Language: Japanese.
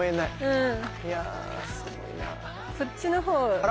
うん。